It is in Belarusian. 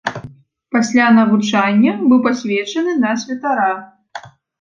Пасля навучання быў пасвечаны на святара.